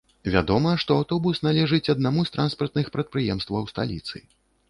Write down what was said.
Вядома, што аўтобус належыць аднаму з транспартных прадпрыемстваў сталіцы.